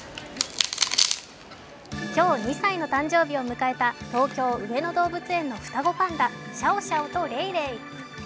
今日、２歳の誕生日を迎えた東京・上野動物園の双子パンダ、シャオシャオとレイレイ。